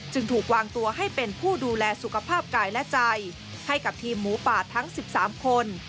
ถูกวางตัวให้เป็นผู้ดูแลสุขภาพกายและใจให้กับทีมหมูป่าทั้ง๑๓คน